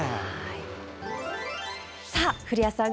さあ、古谷さん